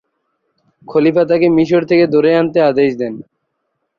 খলিফা তাঁকে মিসর থেকে ধরে আনতে আদেশ দেন।